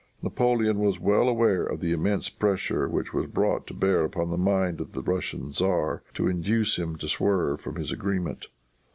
Napoleon was well aware of the immense pressure which was brought to bear upon the mind of the Russian tzar to induce him to swerve from his agreement.